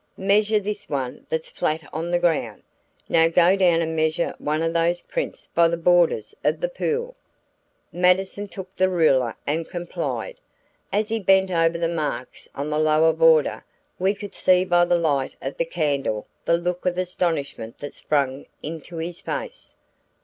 "Measure this one that's flat on the ground. Now go down and measure one of those prints by the borders of the pool." Mattison took the ruler and complied. As he bent over the marks on the lower border we could see by the light of his candle the look of astonishment that sprang into his face.